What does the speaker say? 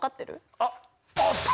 あっ。